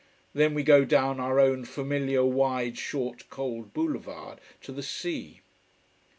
Then we go down our own familiar wide, short, cold boulevard to the sea.